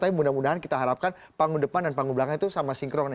tapi mudah mudahan kita harapkan panggung depan dan panggung belakang itu sama sinkron